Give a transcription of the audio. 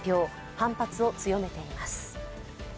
反発を強めています。